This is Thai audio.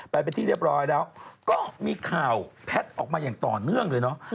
ไปเป็นที่เรียบร้อยแล้วก็มีข่าวแพทย์ออกมาอย่างต่อเนื่องเลยเนอะ